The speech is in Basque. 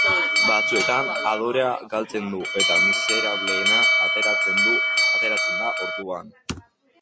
Batzuetan adorea galtzen du eta miserableena ateratzen da orduan.